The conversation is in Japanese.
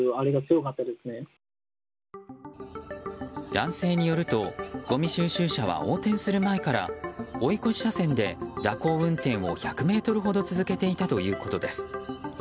男性によるとごみ収集車は横転する前から追い越し車線で蛇行運転を１００ｍほど続けていたということです。